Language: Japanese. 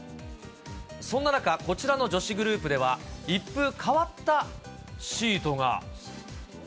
そんな中、こちらの女子グループでは、一風変わったシートが。